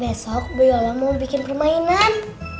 besok bu yola mau bikin permainan